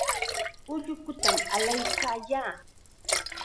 Ullukutam allaykaayaa.